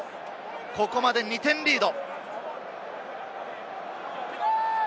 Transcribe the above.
ここまで２点リード。